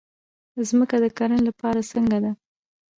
ځمکه د کرنې لپاره څنګه ده؟